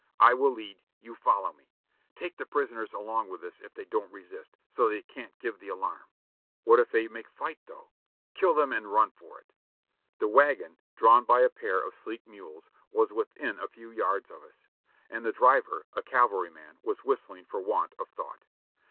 I will lead, you follow me. Take the prisoners along with us if they don't resist, so they can't give the alarm." ''What if they make fight, though?" "Kill them and run for it." The wagon, drawn by a pair of sleek mules, was within a few yards of us, and the driver, a cavalryman, was whistling for want of thought.